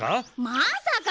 まさか！